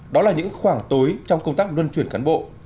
đó là những khoảng tối trong công tác luân chuyển cán bộ